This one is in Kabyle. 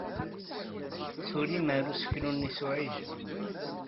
Tulim ar useklu-nni s uɛijel.